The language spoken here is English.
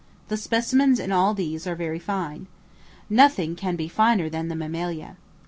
The specimens in all these are very fine. Nothing can be finer than the mammalia.